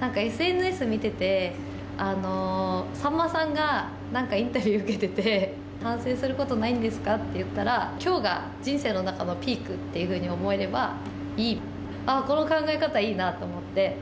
なんかＳＮＳ見てて、サンマさんが、なんかインタビュー受けてて、反省することないんですかって言ったら、きょうが人生の中のピークっていうふうに思えればいい、ああ、この考え方いいなと思って。